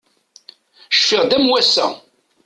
Cfiɣ-d am wass-a.